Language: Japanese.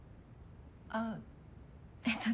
あっえっと